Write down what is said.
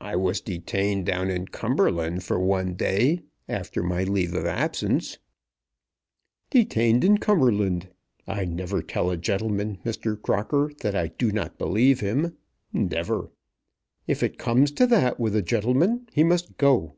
"I was detained down in Cumberland for one day, after my leave of absence." "Detained in Cumberland! I never tell a gentleman, Mr. Crocker, that I do not believe him, never. If it comes to that with a gentleman, he must go."